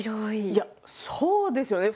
いやそうですよね。